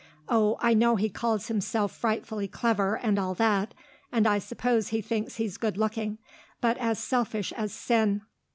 Oh, I know he calls himself frightfully clever and all that, and I suppose he thinks he's good looking ... but as selfish as sin.